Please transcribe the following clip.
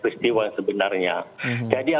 jadi kita sudah selesai mencari penyelesaian